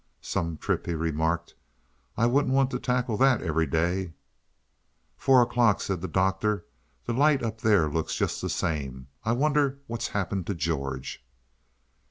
"Some trip," he remarked. "I wouldn't want to tackle that every day." "Four o'clock," said the Doctor, "the light up there looks just the same. I wonder what's happened to George."